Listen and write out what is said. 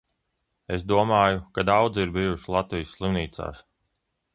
Es domāju, ka daudzi ir bijuši Latvijas slimnīcās.